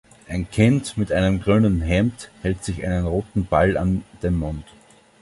Ein Kind mit einem grünen Hemd hält sich einen roten Ball an den Mund.